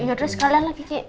ya udah sekalian lagi cik